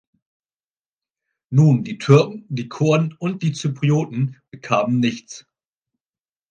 Nun, die Türken, die Kurden und die Zyprioten bekamen nichts.